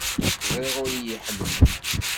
Ẓriɣ ur iyi-ḥemmlent.